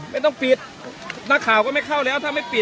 ไม่ต้องปิดนักข่าวก็ไม่เข้าแล้วถ้าไม่ปิด